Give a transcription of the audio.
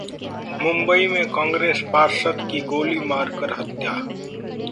मुंबई में कांग्रेसी पार्षद की गोली मार कर हत्या